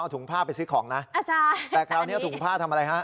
ถุงผ้าไปซื้อของนะแต่คราวนี้ถุงผ้าทำอะไรฮะ